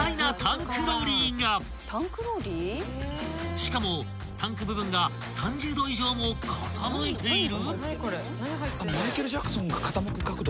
［しかもタンク部分が３０度以上も傾いている］